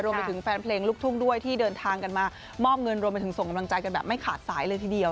รวมไปถึงแฟนเพลงลูกทุ่งด้วยที่เดินทางกันมามอบเงินรวมไปถึงส่งกำลังใจกันแบบไม่ขาดสายเลยทีเดียว